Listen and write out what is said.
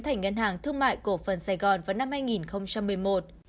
thành ngân hàng thương mại cổ phần sài gòn vào năm hai nghìn một mươi một